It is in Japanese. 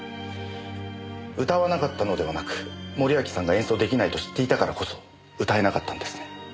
歌わなかったのではなく森脇さんが演奏出来ないと知っていたからこそ歌えなかったんですね。